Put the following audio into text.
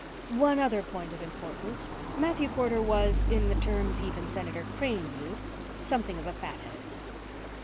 One other point of importance: Matthew Porter was, in the terms even Senator Crane used, "something of a fathead."